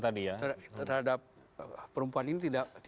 terhadap perempuan ini